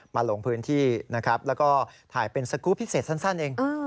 ลงพื้นที่นะครับแล้วก็ถ่ายเป็นสกรูปพิเศษสั้นเอง